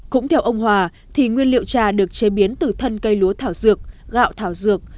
cũng theo ông hòa thì nguyên liệu trà được chế biến từ thân cây lúa thảo dược gạo thảo dược